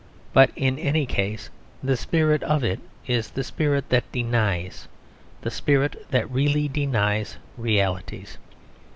But in any case, the spirit of it is the spirit that denies, the spirit that really denies realities.